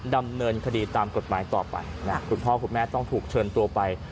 ดำเนินคดีตามกฎหมายต่อไปนะคุณพ่อคุณแม่ต้องถูกเชิญตัวไป